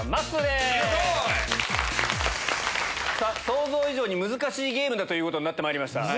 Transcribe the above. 想像以上に難しいゲームということになってまいりました。